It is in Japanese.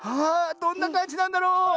あどんなかんじなんだろう